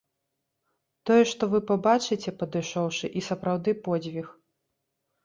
Тое, што вы пабачыце, падышоўшы, і сапраўды подзвіг.